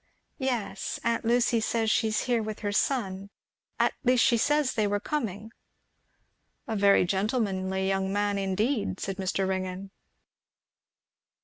"Yes, aunt Lucy says she is here with her son, at least she says they were coming." "A very gentlemanly young man, indeed," said Mr. Ringgan.